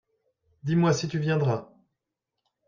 Dis-moi si tu viendras.